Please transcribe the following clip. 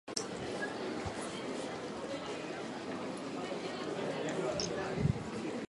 彼は彼の友に揶揄せられたる結果としてまず手初めに吾輩を写生しつつあるのである